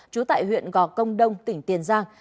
trú tại huyện gò công đông tỉnh tiền giang